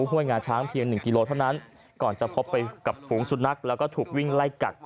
ห้วยงาช้างเพียงหนึ่งกิโลเท่านั้นก่อนจะพบไปกับฝูงสุนัขแล้วก็ถูกวิ่งไล่กัด